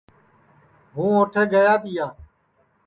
ہُوں اُوٹھے گَیا تِیا